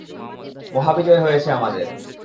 মহাবিজয় হয়েছে আমাদের!